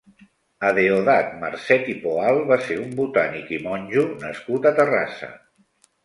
Adeodat Marcet i Poal va ser un botànic i monjo nascut a Terrassa.